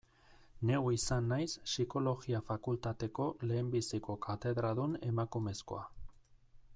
Neu izan naiz Psikologia fakultateko lehenbiziko katedradun emakumezkoa.